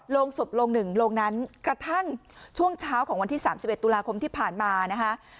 โรงศพโรงหนึ่งโรงนั้นกระทั่งช่วงเช้าของวันที่๓๑ตุลาคมที่ผ่านมานะคะ